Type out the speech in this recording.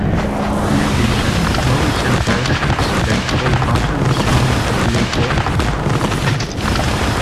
In addition, more recent versions, the default button is shown with a blue border.